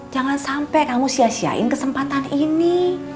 jangan sampai kamu sia siain kesempatan ini